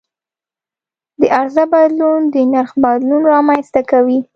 د عرضه بدلون د نرخ بدلون رامنځته کوي.